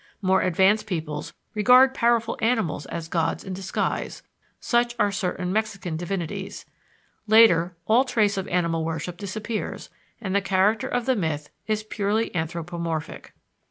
More advanced peoples regard powerful animals as gods in disguise (such are certain Mexican divinities). Later, all trace of animal worship disappears, and the character of the myth is purely anthropomorphic.